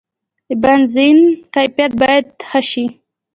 د بنزین کیفیت باید ښه شي.